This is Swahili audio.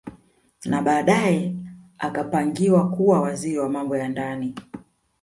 Na baadae akapangiwa kuwa Waziri wa Mambo ya Ndani